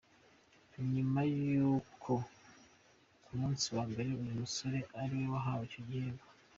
Ni nyuma y’uko ku munsi wa mbere uyu musore ariwe wahawe icyo gihembo.